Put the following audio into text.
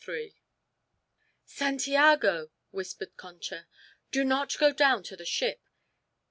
III "Santiago!" whispered Concha. "Do not go down to the ship.